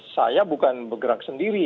saya bukan bergerak sendiri